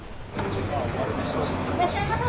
いらっしゃいませ。